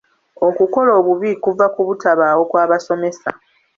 Okukola obubi kuva ku butabaawo kw'abasomesa.